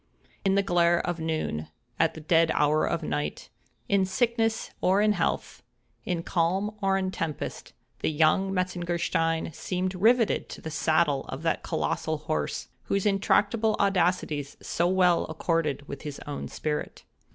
In the glare of noon—at the dead hour of night—in sickness or in health—in calm or in tempest—the young Metzengerstein seemed rivetted to the saddle of that colossal horse, whose intractable audacities so well accorded with his own spirit.